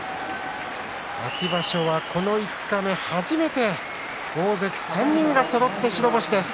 秋場所はこの五日目、初めて大関３人がそろって白星です。